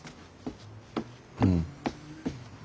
うん。